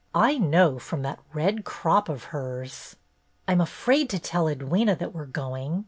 I know from that red crop of hers." "I'm afraid to tell Edwyna that we're going.